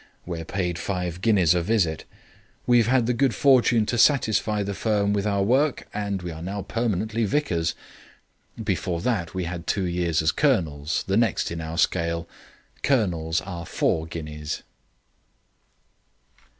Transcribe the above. We are paid five guineas a visit. We have had the good fortune to satisfy the firm with our work; and we are now permanently vicars. Before that we had two years as colonels, the next in our scale. Colonels are four guineas."